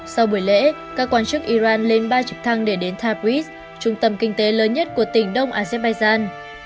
sau buổi lễ các quan chức iran lên ba trực thăng để đến tabris trung tâm kinh tế lớn nhất của tỉnh đông azerbaijan